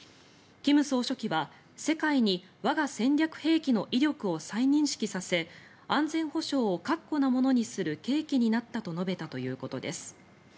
金総書記は、世界に我が戦略兵器の威力を再認識させ安全保障を確固なものにする契機になったと述べたということです。